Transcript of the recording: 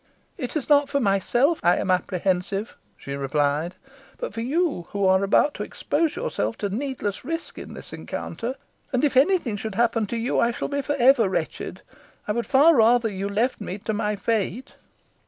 "It is not for myself I am apprehensive," she replied, "but for you, who are about to expose yourself to needless risk in this encounter; and, if any thing should happen to you, I shall be for ever wretched. I would far rather you left me to my fate."